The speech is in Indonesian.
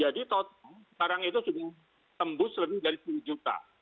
jadi total sekarang itu sudah tembus lebih dari sepuluh juta